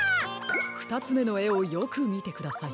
ふたつめのえをよくみてください。